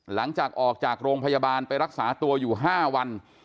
หลังจากออกจากโรงพยาบาลไปรักษาตัวอยู่๕วัน